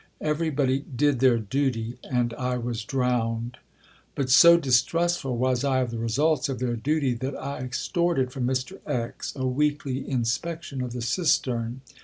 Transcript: Everybody "did their duty," and I was drowned. But so distrustful was I of the results of their duty that I extorted from Mr. X. a weekly inspection of the cistern.